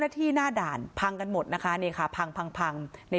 ที่หน้าด่านพังกันหมดนะคะนี่ค่ะพังพังใน